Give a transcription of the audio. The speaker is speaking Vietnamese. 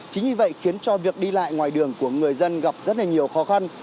chính vì vậy khiến cho việc đi lại ngoài đường của người dân gặp rất là nhiều khó khăn